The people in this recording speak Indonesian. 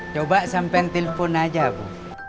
coba sampein telfon aja bu